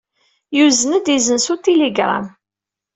Yuzen-d izen s utiligṛam.